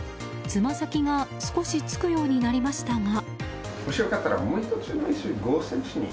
つま先が少し付くようになりましたが。